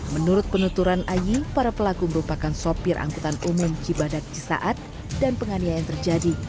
menurut penuturan aji para pelaku merupakan sopir angkutan umum cibadak cisaat dan penganiayaan terjadi